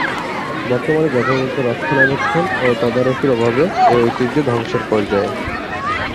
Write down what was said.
বর্তমানে যথাযথ রক্ষণাবেক্ষণ ও তদারকির অভাবে এ ঐতিহ্য ধ্বংসের পর্যায়ে।